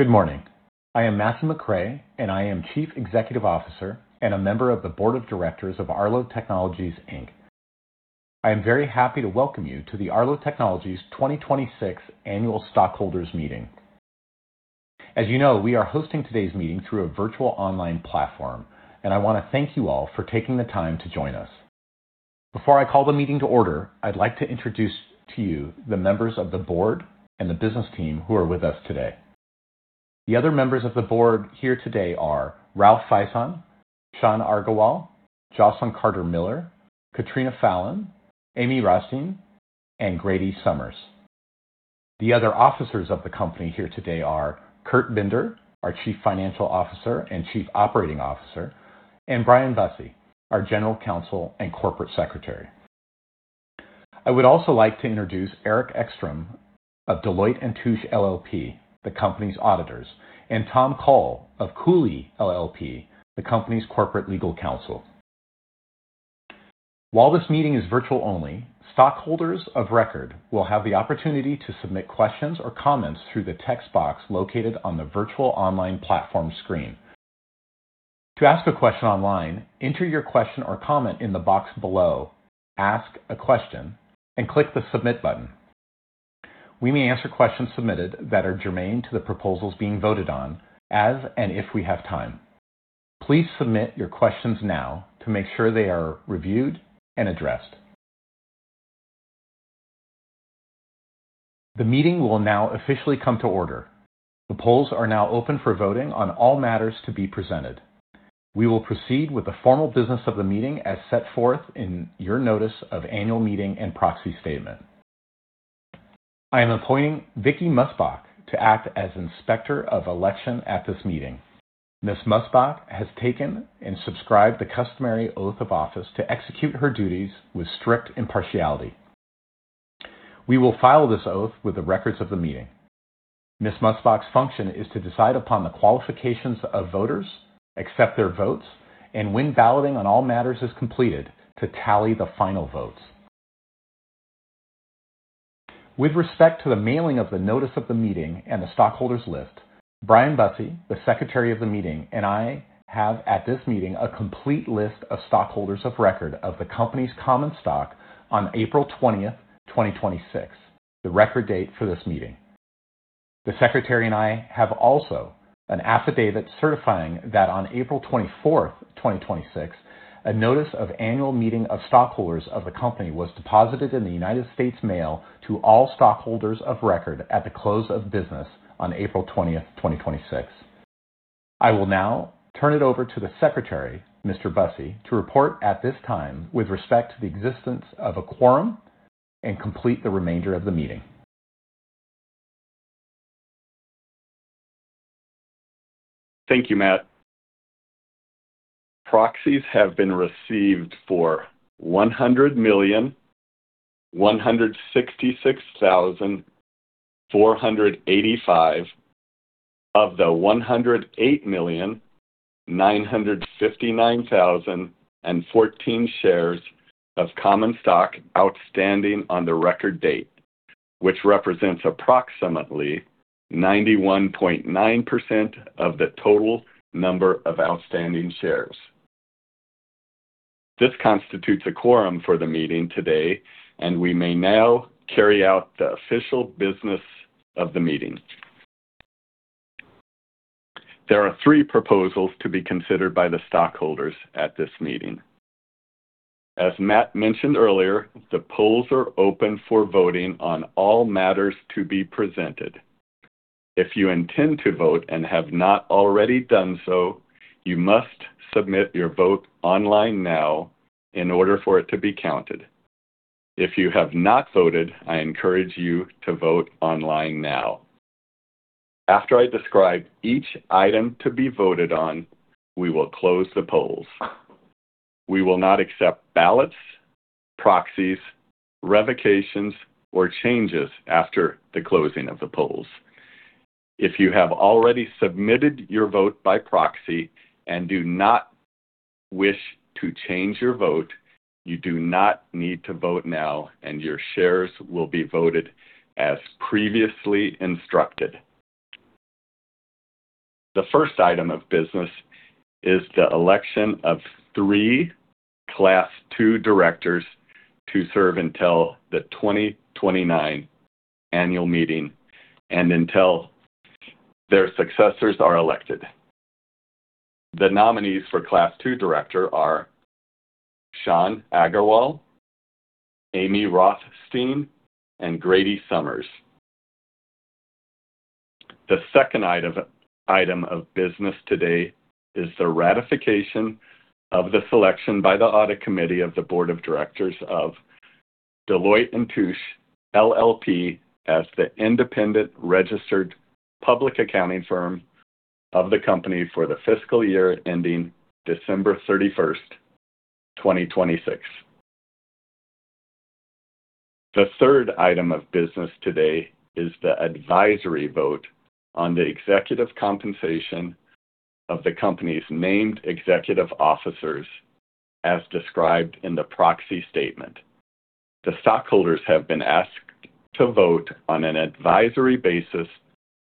Good morning. I am Matthew McRae, and I am Chief Executive Officer and a member of the Board of Directors of Arlo Technologies, Inc. I am very happy to welcome you to the Arlo Technologies 2026 Annual Stockholders Meeting. As you know, we are hosting today's meeting through a virtual online platform, and I want to thank you all for taking the time to join us. Before I call the meeting to order, I'd like to introduce to you the members of the board and the business team who are with us today. The other members of the board here today are Ralph Faison, Sean Aggarwal, Jocelyn Carter-Miller, Catriona Fallon, Amy Rothstein, and Grady Summers. The other officers of the company here today are Kurt Binder, our Chief Financial Officer and Chief Operating Officer, and Brian Busse, our General Counsel and Corporate Secretary. I would also like to introduce Erik Ekstrom of Deloitte & Touche LLP, the company's auditors, and Tom Coll of Cooley LLP, the company's corporate legal counsel. While this meeting is virtual only, stockholders of record will have the opportunity to submit questions or comments through the text box located on the virtual online platform screen. To ask a question online, enter your question or comment in the box below, ask a question and click the Submit button. We may answer questions submitted that are germane to the proposals being voted on as and if we have time. Please submit your questions now to make sure they are reviewed and addressed. The meeting will now officially come to order. The polls are now open for voting on all matters to be presented. We will proceed with the formal business of the meeting as set forth in your notice of annual meeting and proxy statement. I am appointing Vicki Musbach to act as Inspector of Election at this meeting. Ms. Musbach has taken and subscribed the customary oath of office to execute her duties with strict impartiality. We will file this oath with the records of the meeting. Ms. Musbach's function is to decide upon the qualifications of voters, accept their votes, and when balloting on all matters is completed, to tally the final votes. With respect to the mailing of the notice of the meeting and the stockholders' list, Brian Busse, the Secretary of the Meeting, and I have at this meeting a complete list of stockholders of record of the company's common stock on April 20th, 2026, the record date for this meeting. The Secretary and I have also an affidavit certifying that on April 24th, 2026, a notice of annual meeting of stockholders of the company was deposited in the United States Mail to all stockholders of record at the close of business on April 20th, 2026. I will now turn it over to the Secretary, Mr. Busse, to report at this time with respect to the existence of a quorum and complete the remainder of the meeting. Thank you, Matt. Proxies have been received for 100,166,485 of the 108,959,014 shares of common stock outstanding on the record date, which represents approximately 91.9% of the total number of outstanding shares. This constitutes a quorum for the meeting today, and we may now carry out the official business of the meeting. There are three proposals to be considered by the stockholders at this meeting. As Matt mentioned earlier, the polls are open for voting on all matters to be presented. If you intend to vote and have not already done so, you must submit your vote online now in order for it to be counted. If you have not voted, I encourage you to vote online now. After I describe each item to be voted on, we will close the polls. We will not accept ballots, proxies, revocations, or changes after the closing of the polls. If you have already submitted your vote by proxy and do not wish to change your vote, you do not need to vote now, and your shares will be voted as previously instructed. The first item of business is the election of three Class II directors to serve until the 2029 annual meeting and until their successors are elected. The nominees for Class II director are Sean Aggarwal, Amy Rothstein, and Grady Summers. The second item of business today is the ratification of the selection by the Audit Committee of the Board of Directors of Deloitte & Touche LLP as the independent registered public accounting firm of the company for the fiscal year ending December 31st, 2026. The third item of business today is the advisory vote on the executive compensation of the company's named executive officers as described in the proxy statement. The stockholders have been asked to vote on an advisory basis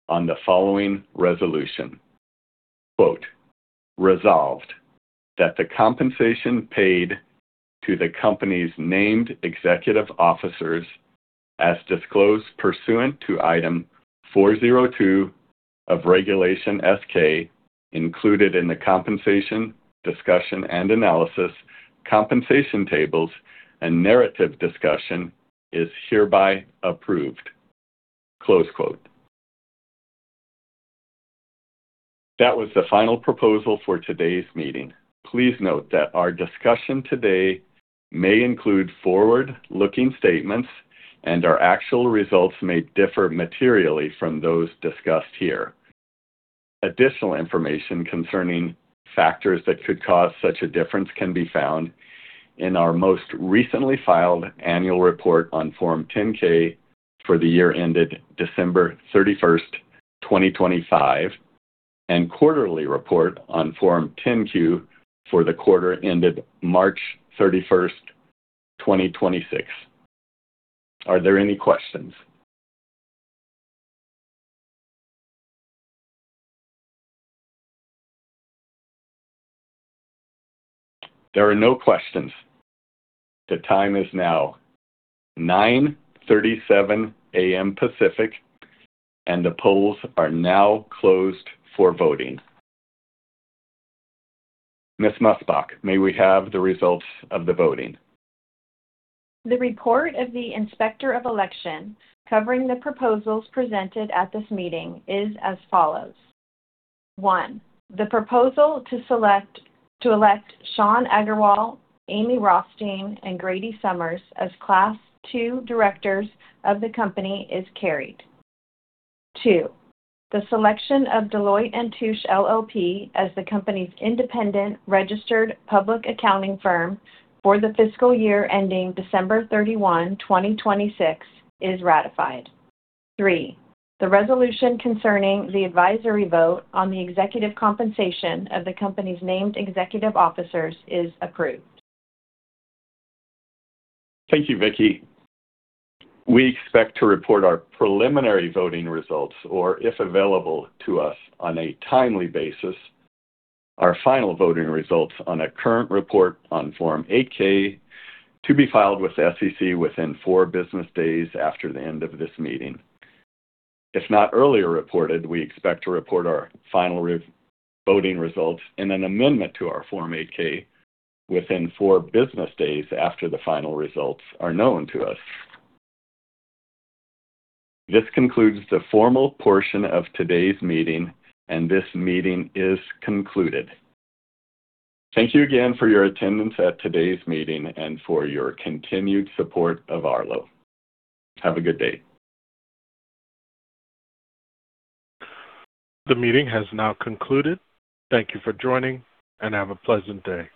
on the following resolution, quote, "Resolved, that the compensation paid to the company's named executive officers, as disclosed pursuant to Item 402 of Regulation S-K, included in the compensation discussion and analysis compensation tables and narrative discussion, is hereby approved," close quote. That was the final proposal for today's meeting. Please note that our discussion today may include forward-looking statements, and our actual results may differ materially from those discussed here. Additional information concerning factors that could cause such a difference can be found in our most recently filed annual report on Form 10-K for the year ended December 31st, 2025, and quarterly report on Form 10-Q for the quarter ended March 31st, 2026. Are there any questions? There are no questions. The time is now 9:37 A.M. Pacific, and the polls are now closed for voting. Ms. Musbach, may we have the results of the voting? The report of the Inspector of Election covering the proposals presented at this meeting is as follows. One, the proposal to elect Sean Aggarwal, Amy Rothstein, and Grady Summers as Class II directors of the company is carried. Two, the selection of Deloitte & Touche LLP as the company's independent registered public accounting firm for the fiscal year ending December 31, 2026, is ratified. Three, the resolution concerning the advisory vote on the executive compensation of the company's named executive officers is approved. Thank you, Vicki. We expect to report our preliminary voting results, or, if available to us on a timely basis, our final voting results on a current report on Form 8-K to be filed with the SEC within four business days after the end of this meeting. If not earlier reported, we expect to report our final voting results in an amendment to our Form 8-K within four business days after the final results are known to us. This concludes the formal portion of today's meeting, and this meeting is concluded. Thank you again for your attendance at today's meeting and for your continued support of Arlo. Have a good day. The meeting has now concluded. Thank you for joining, and have a pleasant day.